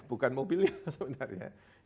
bukan mobilnya sebenarnya